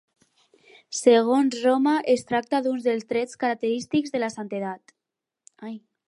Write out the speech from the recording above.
Segons Roma, es tracta d'un dels trets característics de la santedat.